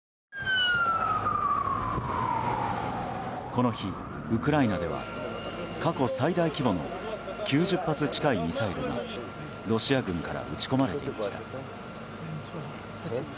この日、ウクライナでは過去最大規模の９０発近いミサイルがロシア軍から撃ち込まれていました。